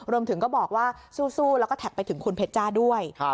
รวมถึงก็บอกว่าสู้แล้วก็แท็กไปถึงคุณเพชจ้าด้วย